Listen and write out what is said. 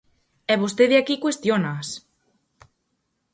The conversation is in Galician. E vostede aquí cuestiónaas.